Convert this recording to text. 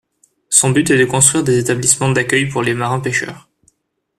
Son but est de construire des établissements d'accueil pour les marins pêcheurs.